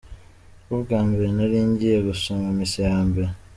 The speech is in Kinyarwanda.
Nibwo bwa mbere nari ngiye gusoma misa ya mbere.